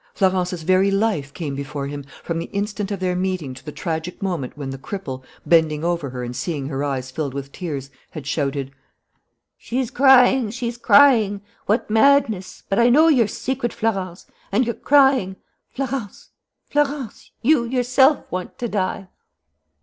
Florence's very life came before him, from the instant of their meeting to the tragic moment when the cripple, bending over her and seeing her eyes filled with tears, had shouted: "She's crying! She's crying! What madness! But I know your secret, Florence! And you're crying! Florence, Florence, you yourself want to die!"